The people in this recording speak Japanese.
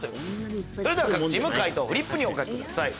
それでは各チーム解答をお書きください。